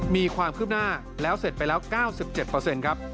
มีความขึ้นหน้าแล้วเสร็จไปแล้ว๙๗เปอร์เซ็นต์ครับ